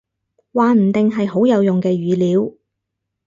話唔定，係好有用嘅語料